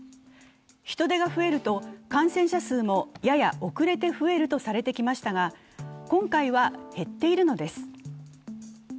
人出が増えると感染者数もやや遅れて増えるとされていましたが、今回は減っているのです。